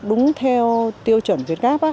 đúng theo tiêu chuẩn việt gáp